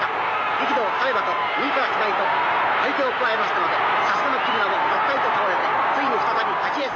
力道さればと右から左と張り手を加えましたのでさすがの木村もばったりと倒れてついに再び立ちえず。